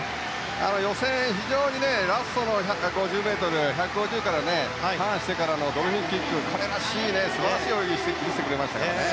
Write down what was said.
予選、非常にラストの１５０からターンしてからドルフィンキック彼らしい素晴らしい泳ぎを見せてくれましたからね。